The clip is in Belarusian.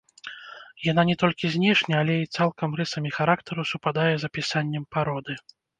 Яна не толькі знешне, але і цалкам рысамі характару супадае з апісаннем пароды!